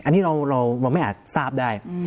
อันนี้เราไม่อาจทราบได้